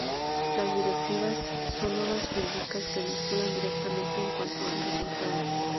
Las directivas son normas jurídicas que vinculan directamente en cuanto al resultado.